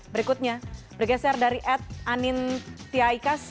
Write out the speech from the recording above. berikutnya bergeser dari ad anintiaikas